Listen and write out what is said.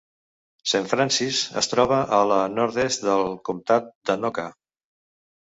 Saint Francis es troba a la nord-est del comtat d'Anoka.